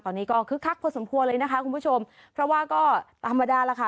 ตอนนี้ก็คึกคักพอสมควรเลยนะคะคุณผู้ชมเพราะว่าก็ธรรมดาแล้วค่ะ